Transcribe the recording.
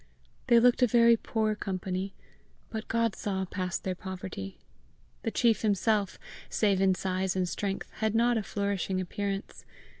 They looked a very poor company, but God saw past their poverty. The chief himself, save in size and strength, had not a flourishing appearance.